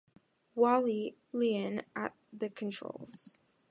"Wally" Lien at the controls.